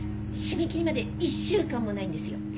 締め切りまで１週間もないんですよ。